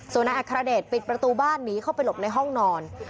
ส่วนนายอัครเดชปิดประตูบ้านหนีเข้าไปหลบในห้องนอน